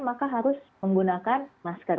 maka harus menggunakan masker